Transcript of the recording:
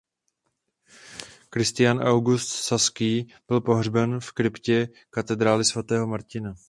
Kristián August Saský byl pohřben v kryptě katedrály svatého Martina.